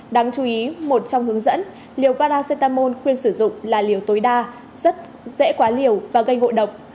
đáng chú ý một trong hướng dẫn liều paracetamol khuyên sử dụng là liều tối đa rất dễ quá liều và gây ngộ độc